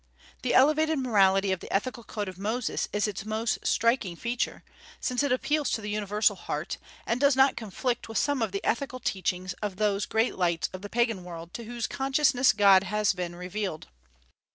The elevated morality of the ethical code of Moses is its most striking feature, since it appeals to the universal heart, and does not conflict with some of the ethical teachings of those great lights of the Pagan world to whose consciousness God has been revealed.